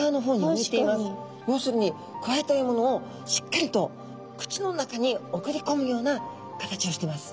要するにくわえたえものをしっかりと口の中に送りこむような形をしてます。